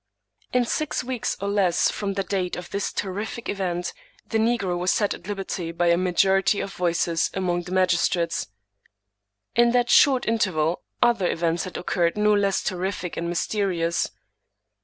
In six weeks or less from the date of this terrific event, the negro was set at liberty by a majority of voices among the magistrates. In that short interval other events had occurred no less terrific and mysterious.